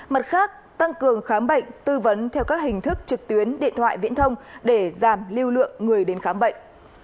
mặt khác tăng cường khám bệnh tư vấn theo các hình thức trực tuyến điện thoại viễn thông để giảm lưu lượng người đến khám bệnh